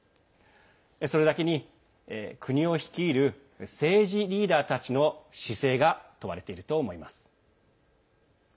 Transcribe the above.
それだけに国を率いる政治リーダーたちの姿勢が問われていると思います。